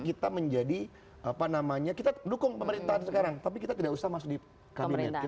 kita menjadi apa namanya kita dukung pemerintahan sekarang tapi kita tidak usah masuk di kabinet